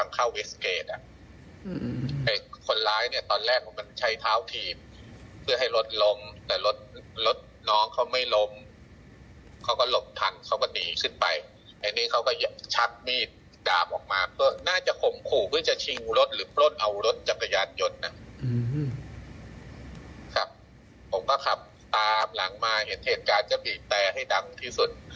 ครับผมก็ขับตามหลังมาเห็นเผสการจะมีแต่ให้ดำที่สุด